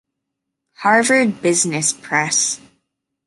Harvard Business Press.